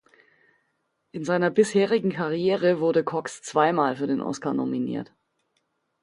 In seiner bisherigen Karriere wurde Cocks zweimal für den Oscar nominiert.